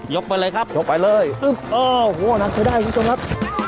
ยกไปเลยครับยกไปเลยซึ๊บโอ้โฮนักชัยได้คุณผู้ชมครับ